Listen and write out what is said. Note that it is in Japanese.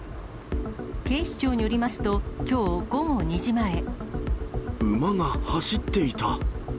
警視庁によりますと、きょう午後馬が走っていた。